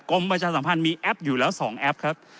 ประชาสัมพันธ์มีแอปอยู่แล้ว๒แอปครับ